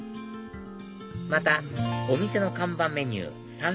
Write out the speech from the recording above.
またお店の看板メニュー酸辣湯